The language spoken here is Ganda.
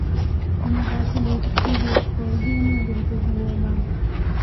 Omugaati bw'ogusiiga ekipooli guyina engeri gye guwoomamu.